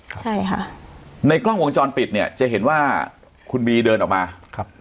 ใช่ค่ะในกล้องวงจรปิดเนี่ยจะเห็นว่าคุณบีเดินออกมาครับ